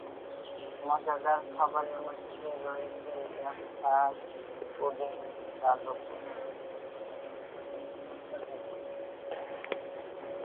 মজাদার খাবারের মধ্যে রয়েছে ইয়র্কশায়ার পুডিং, কালো পুডিং, স্যুট পুডিং এবং স্টেক এবং কিডনি পুডিং।